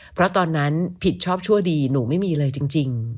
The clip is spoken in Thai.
เพราะตอนนั้นผิดชอบชั่วดีหนูไม่มีเลยจริง